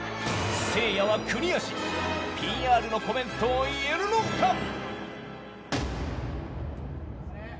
せいやはクリアしＰＲのコメントを言えるのか。